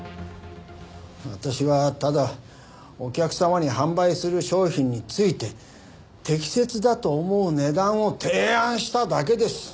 私はただお客様に販売する商品について適切だと思う値段を提案しただけです。